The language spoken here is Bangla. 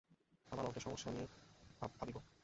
আমার অঙ্কের সমস্যা নিয়ে ভািবব।